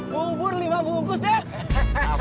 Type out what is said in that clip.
bubur lima bungkus dad